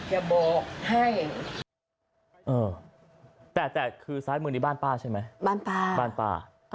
ให้เออแต่แต่คือซ้ายมือนี่บ้านป้าใช่ไหมบ้านป้าบ้านป้า